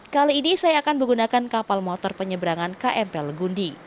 kali ini saya akan menggunakan kapal motor penyeberangan kmp legundi